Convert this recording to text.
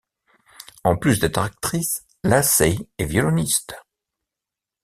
En plus d'être actrice, Lacey est violoniste.